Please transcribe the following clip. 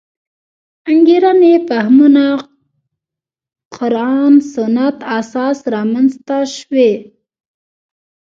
انګېرنې فهمونه قران سنت اساس رامنځته شوې.